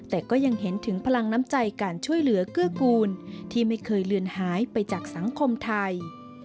แต่ก็ยังเห็นถึงพลังน้ำใจการช่วยเหลือเกื้อกูลที่ไม่เคยเลือนหายไปจากสังคมไทย